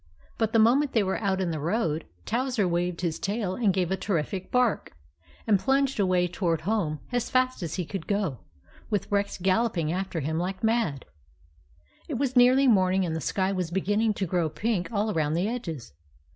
But the moment they were out in the road, Towser waved his tail and gave a terrific bark, and plunged away toward home as fast as he could go, with Rex gal loping after him like mad. It was nearly morning, and the sky was beginning to grow pink all around the edges.